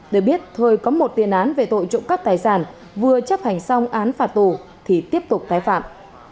để biết thời có một tiền án về tội trộm cắp tài sản vừa chấp hành xong án phạt tù thì tiếp tục tái phạm